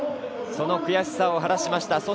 その悔しさを晴らしました。